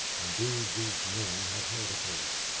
Indeed these men had heard of her.